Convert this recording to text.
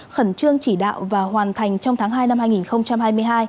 khẩn trương chỉ đạo và hoàn thành trong tháng hai năm hai nghìn hai mươi hai